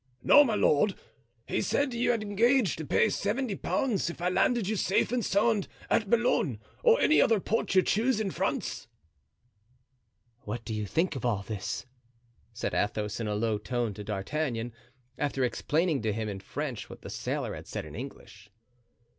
"No, my lord; he said you had engaged to pay seventy pounds if I landed you safe and sound at Boulogne or any other port you choose in France." "What do you think of all this?" said Athos, in a low tone to D'Artagnan, after explaining to him in French what the sailor had said in English.